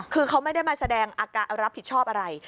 คือเขาไม่ได้มาแสดงรับผิดชอบอะไร